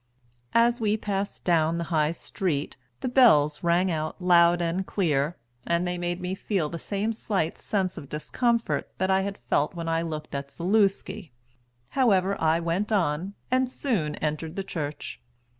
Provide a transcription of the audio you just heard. As we passed down the High Street the bells rang out loud and clear, and they made me feel the same slight sense of discomfort that I had felt when I looked at Zaluski; however, I went on, and soon entered the church.